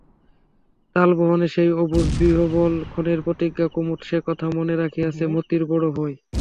তালবনের সেই অবুঝ বিহবল ক্ষণের প্রতিজ্ঞা কুমুদ সেকথা মনে রাখিয়াছে মতির বড় ভয়।